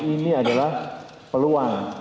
ini adalah peluang